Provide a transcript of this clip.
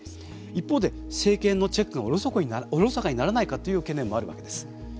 一方で、政権のチェックがおろそかにならないかという懸念もあるわけです。